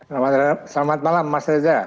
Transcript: selamat malam mas reza